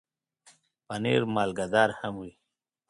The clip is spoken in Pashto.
پنېر مالګهدار هم وي.